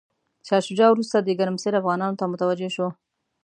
شاه شجاع وروسته د ګرمسیر افغانانو ته متوجه شو.